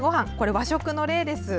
和食の例です。